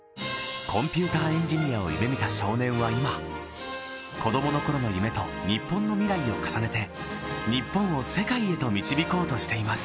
コンピューターエンジニアを夢見た少年は今子供の頃の夢と日本の未来を重ねて日本を世界へと導こうとしています